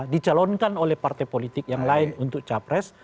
dicalonkan oleh partai politik yang lain untuk capres